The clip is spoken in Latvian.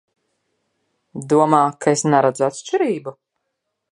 Domā, ka es neredzu atšķirību?